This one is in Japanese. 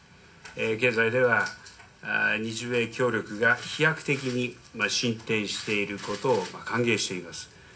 現在では日米協力が飛躍的に進展していることを歓迎しています。